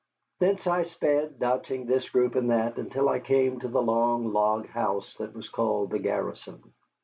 Thence I sped, dodging this group and that, until I came to the long log house that was called the garrison.